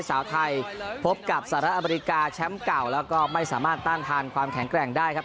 สาวไทยพบกับสหรัฐอเมริกาแชมป์เก่าแล้วก็ไม่สามารถต้านทานความแข็งแกร่งได้ครับ